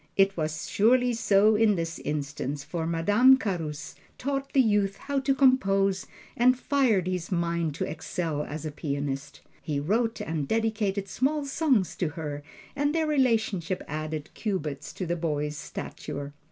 It was surely so in this instance, for Madame Carus taught the youth how to compose, and fired his mind to excel as a pianist. He wrote and dedicated small songs to her, and their relationship added cubits to the boy's stature.